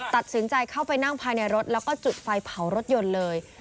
ตัดสินใจเข้าไปนั่งภายในรถแล้วก็จุดไฟเผารถยนต์เลย